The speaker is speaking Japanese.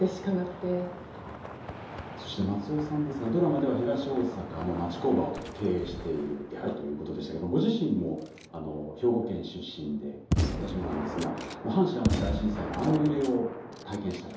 そして松尾さんですがドラマでは東大阪の町工場を経営している役ということでしたけどご自身も兵庫県出身で私もなんですが阪神・淡路大震災のあの揺れを体験してらっしゃる。